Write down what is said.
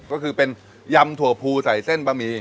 ก็คือเป็นยำถั่วภูใส่เส้นบะหมี่